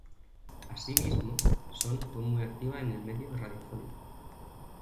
Así mismo, Sonne fue muy activa en el medio radiofónico.